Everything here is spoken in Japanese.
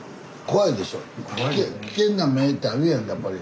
危険な目ってあるやんやっぱり。